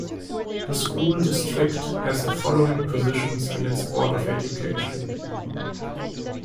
The school district has the following positions in its Board of Education.